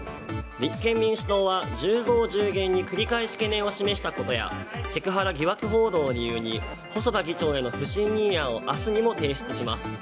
立憲民主党は１０増１０減に繰り返し懸念を示したことやセクハラ疑惑報道を理由に細田議長への不信任案を明日にも提出します。